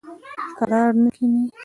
کرار نه کیني.